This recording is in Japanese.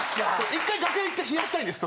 ・１回楽屋いって冷やしたいです